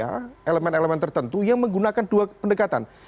karena itu terjadi kemarin elemen elemen tertentu yang menggunakan dua pendekatan